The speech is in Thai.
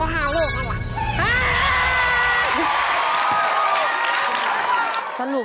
หน้าได้๕ลูก